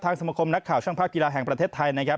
สมคมนักข่าวช่างภาพกีฬาแห่งประเทศไทยนะครับ